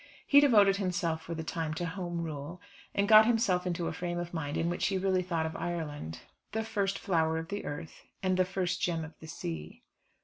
He devoted himself for the time to Home Rule, and got himself into a frame of mind in which he really thought of Ireland. "The first flower of the earth, and first gem of the sea."